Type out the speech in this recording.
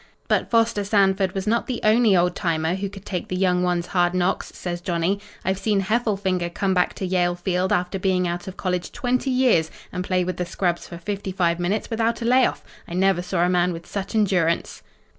"But Foster Sanford was not the only old timer who could take the young ones' hard knocks," says Johnny. "I've seen Heffelfinger come back to Yale Field after being out of college twenty years and play with the scrubs for fifty five minutes without a layoff! I never saw a man with such endurance.